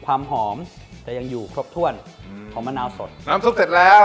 ความหอมจะยังอยู่ครบถ้วนอืมของมะนาวสดน้ำซุปเสร็จแล้ว